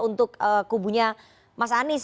untuk kubunya mas anies